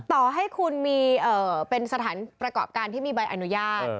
ต่อให้คุณมีเป็นสถานประกอบการที่มีใบอนุญาต